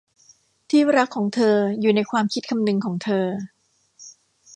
ที่รักของเธออยู่ในความคิดคำนึงของเธอ